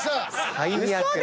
最悪！